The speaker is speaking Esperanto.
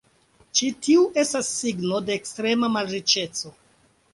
Ĉi tiu estas signo de ekstrema malriĉeco.